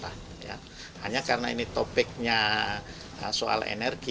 hanya karena ini topiknya soal energi